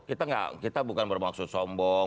kita bukan bermaksud sombong